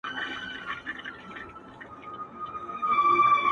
له نمرود څخه د کبر جام نسکور سو!٫.